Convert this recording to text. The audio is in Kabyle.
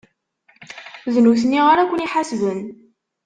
D nutni ara ken-iḥasben.